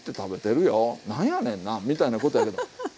なんやねんな」みたいなことやけど。